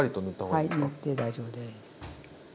はい塗って大丈夫です。